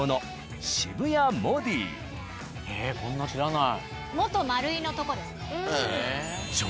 ええこんなん知らない。